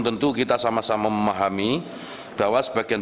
pertama bpih tahun dua ribu empat belas dua ribu lima belas